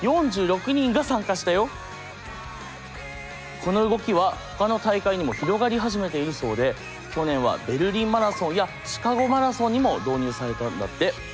この動きはほかの大会にも広がり始めているそうで去年はベルリンマラソンやシカゴマラソンにも導入されたんだって。